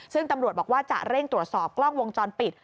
ซึ่งตำรวจบอกว่าจะเร่งตรวจสอบกล้องวงจรปิด